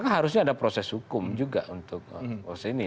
tapi ada proses hukum juga untuk hal ini